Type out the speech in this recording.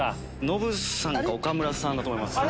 ノブさんか岡村さんと思います。